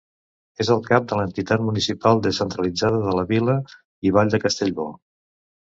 És el cap de l'entitat municipal descentralitzada de la Vila i vall de Castellbò.